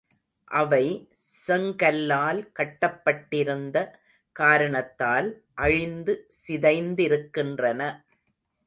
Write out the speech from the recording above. அவை செங்கல்லால் கட்டப்பட்டிருந்த காரணத்தால் அழிந்து சிதைந்திருக்கின்றன.